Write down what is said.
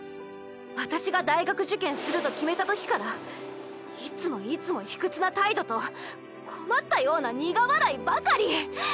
私が大学受験すると決めたときからいつもいつも卑屈な態度と困ったような苦笑いばかり。